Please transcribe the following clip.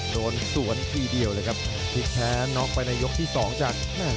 โดนสวนทีเดียวเลยครับพลิกแพ้น็อกไปในยกที่สองจาก